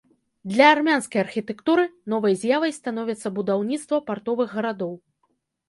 Для армянскай архітэктуры новай з'явай становіцца будаўніцтва партовых гарадоў.